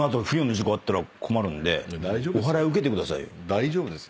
大丈夫です。